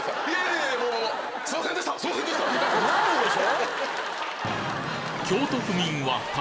なるんでしょ？